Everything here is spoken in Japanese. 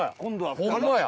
ホンマや。